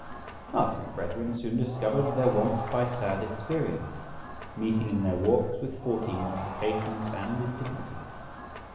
Our three brethren soon discovered their want by sad experience, meeting in their walks with forty mortifications and indignities.